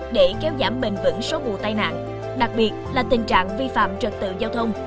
để kéo giảm bền vững số vụ tai nạn đặc biệt là tình trạng vi phạm trật tự giao thông